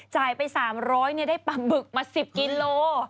จ่ายไป๓๐๐ได้ปลาบึกมา๑๐กิโล